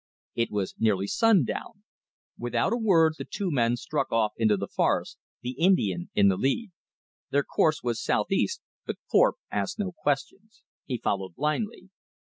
It was nearly sundown. Without a word the two men struck off into the forest, the Indian in the lead. Their course was southeast, but Thorpe asked no questions. He followed blindly.